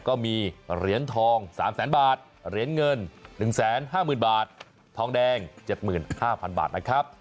ก็มีเหรียญทอง๓แสนบาทเหรียญเงิน๑๕๐๐๐บาททองแดง๗๕๐๐๐บาทนะครับ